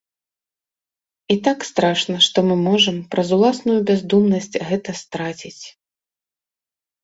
І так страшна, што мы можам, праз уласную бяздумнасць, гэта страціць.